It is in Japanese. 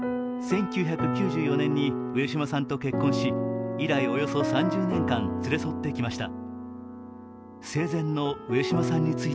１９９４年に上島さんと結婚し、以来およそ３０年間、連れ添ってきました。